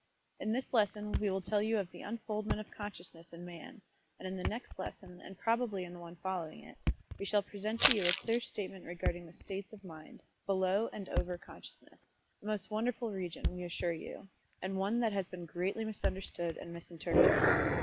In this lesson we will tell you of the unfoldment of consciousness in Man, and in the next lesson, and probably in the one following it, we shall present to you a clear statement regarding the states of mind, below and over consciousness a most wonderful region, we assure you, and one that has been greatly misunderstood and misinterpreted.